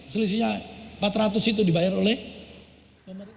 selisihnya rp empat ratus itu dibayar oleh pemerintah